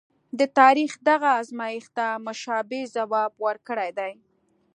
د تاریخ دغه ازمایښت ته مشابه ځواب ورکړی دی.